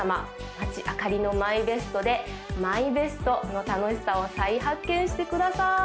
町あかりのＭＹＢＥＳＴでＭＹＢＥＳＴの楽しさを再発見してください